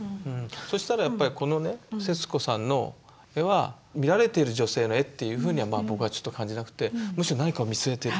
そしたらやっぱりこのね節子さんの絵は見られてる女性の絵っていうふうには僕はちょっと感じなくてむしろ何かを見据えてるっていう。